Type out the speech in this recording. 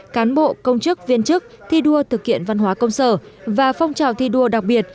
cán bộ công chức viên chức thi đua thực hiện văn hóa công sở và phong trào thi đua đặc biệt